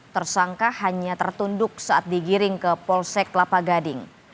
tersangka hanya tertunduk saat digiring ke polsek kelapa gading